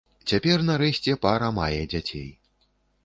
Цяпер, нарэшце, пара мае дзяцей.